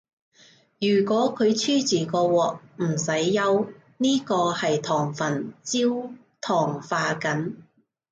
如果佢黐住個鑊，唔使憂，呢個係糖分焦糖化緊